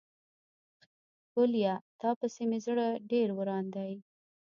ښکليه تا پسې مې زړه ډير وران دی.